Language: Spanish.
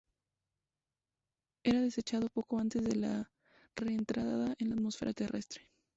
Era desechado poco antes de la reentrada en la atmósfera terrestre.